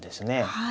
はい。